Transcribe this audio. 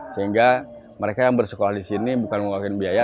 sehingga mereka yang bersekolah di sini bukan mengeluarkan biaya